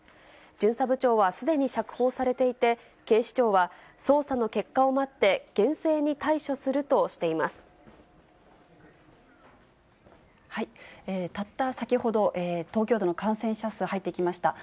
巡査部長はすでに釈放されていて、警視庁は、捜査の結果を待って、たった先ほど、東京都の感染者数入ってきました。